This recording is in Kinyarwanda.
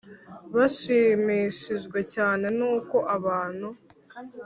bashimishijwe cyane n uko abantu